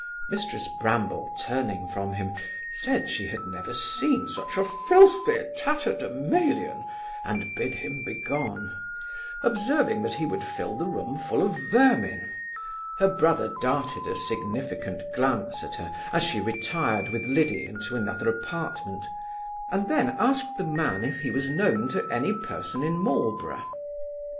Mrs Bramble, turning from him, said, she had never seen such a filthy tatterdemalion, and bid him begone; observing, that he would fill the room full of vermin Her brother darted a significant glance at her, as she retired with Liddy into another apartment, and then asked the man if he was known to any person in Marlborough?